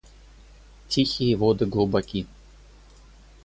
Тихие воды глубоки.